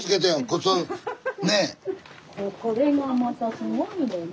これがまたすごいのね。